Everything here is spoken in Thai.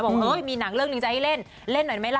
เอ้ยมีหนังเรื่องหนึ่งจะให้เล่นเล่นหน่อยไหมล่ะ